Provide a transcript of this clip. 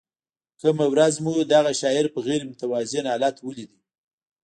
کومه ورځ مو دغه شاعر په غیر متوازن حالت ولید.